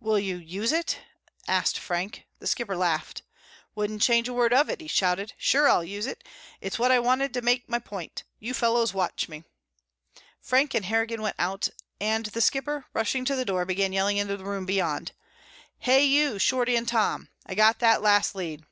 "Will you use it?" asked Frank. The Skipper laughed. "Wouldn't change a word of it," he shouted. "Sure I'll use it. It's what I wanted to make my point. You fellows watch me." Frank and Harrigan went out and The Skipper, rushing to the door, began yelling into the room beyond. "Hey, you Shorty and Tom, I've got that last lead."